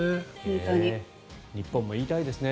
日本も言いたいですね